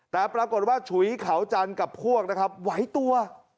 แต่ปรากฏว่าฉุยเขาจันทร์กับพวกนะครับไหวตัว